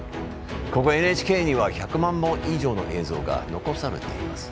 ここ、ＮＨＫには１００万本以上の映像が残されています。